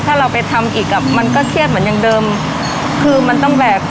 ถ้าเราไปทำอีกอ่ะมันก็เครียดเหมือนอย่างเดิมคือมันต้องแบก